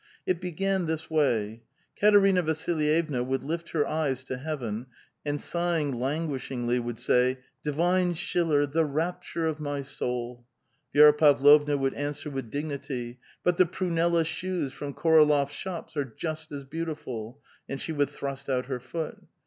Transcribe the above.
It began this way : Katerina Vasilyevna would lift her eyes to heaven, and sighing languishingly, would say, " Divine Schiller, the rapture of my soul !" Vi^ra Pavlovna would answer with dignity. " But the prunella shoes from Koralof's shop are just beautiful 1 " and she would thrust out her foot.